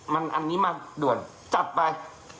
อันนี้มาด่วนจัดไป